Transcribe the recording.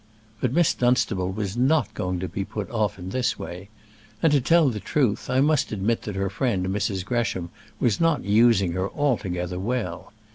But Miss Dunstable was not going to be put off in this way. And to tell the truth, I must admit that her friend Mrs. Gresham was not using her altogether well.